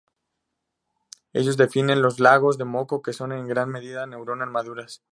Ellos definen "los lagos de moco", que son en gran medida neuronas maduras.